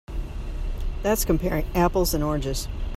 That's comparing apples and oranges.